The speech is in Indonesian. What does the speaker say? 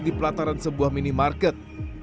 di pelataran sebuah minimarket